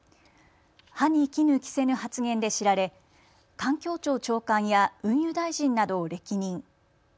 歯にきぬ着せぬ発言で知られ環境庁長官や運輸大臣などを歴任。